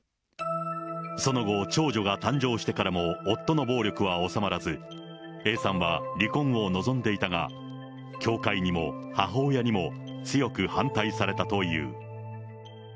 その後、長女が誕生してからも、夫の暴力は収まらず、Ａさんは離婚を望んでいたが、教会にも、母親にも、強く反対されたという。